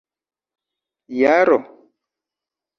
jaro